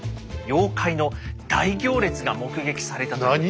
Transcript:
妖怪の大行列が目撃されたという。